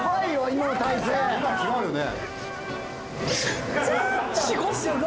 今の違うよね？